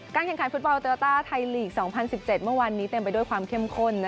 แข่งขันฟุตบอลโยต้าไทยลีก๒๐๑๗เมื่อวานนี้เต็มไปด้วยความเข้มข้น